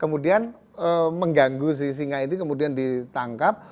kemudian mengganggu si singa ini kemudian ditangkap